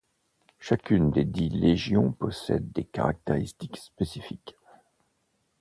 Chacune des dix légions possède des caractéristiques spécifiques.